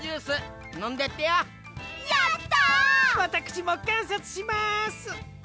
わたくしもかんさつします。